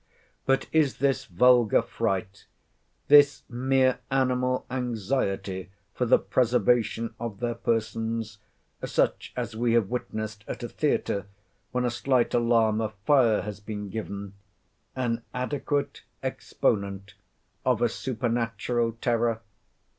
But is this vulgar fright, this mere animal anxiety for the preservation of their persons,—such as we have witnessed at a theatre, when a slight alarm of fire has been given—an adequate exponent of a supernatural terror?